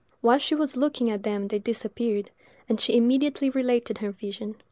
While she was looking at them they disappeared, and she immediately related her vision.